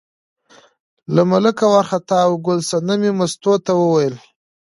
له ملکه وار خطا و، ګل صنمې مستو ته وویل.